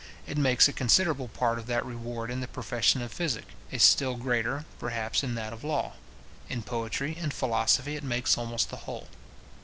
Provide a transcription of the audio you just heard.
It makes a considerable part of that reward in the profession of physic; a still greater, perhaps, in that of law; in poetry and philosophy it makes almost the whole.